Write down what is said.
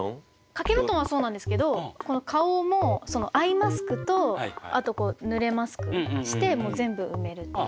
掛け布団はそうなんですけど顔もアイマスクとあとぬれマスクしてもう全部埋めるっていう。